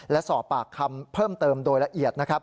และสอบปากคำเพิ่มเติมโดยละเอียดนะครับ